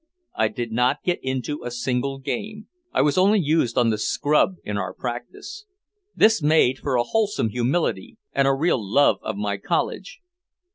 I did not get into a single game, I was only used on the "scrub" in our practice. This made for a wholesome humility and a real love of my college.